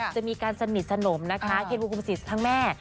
จะมีการสนิทสนมนะคะเคนภูพุมสนิททั้งแม่